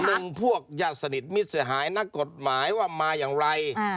หนึ่งพวกญาติสนิทมิตรเสียหายนักกฎหมายว่ามาอย่างไร